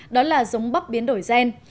đó là giống bắp biến đổi gen